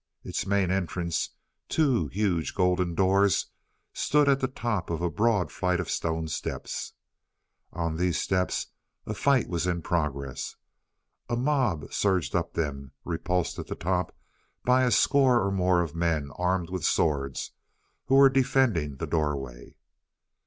Its main entrance, two huge golden doors, stood at the top of a broad flight of stone steps. On these steps a fight was in progress. A mob surged up them, repulsed at the top by a score or more of men armed with swords, who were defending the doorway.